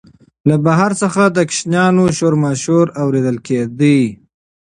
له بهر څخه د ماشومانو شورماشور اورېدل کېده.